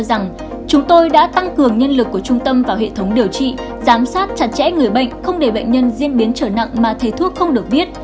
giám sát chặt chẽ người bệnh không để bệnh nhân diễn biến trở nặng mà thầy thuốc không được biết